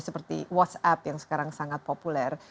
seperti whatsapp yang sekarang sangat populer